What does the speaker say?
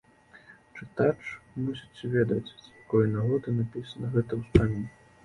Чытач мусіць ведаць, з якой нагоды напісаны гэты ўспамін.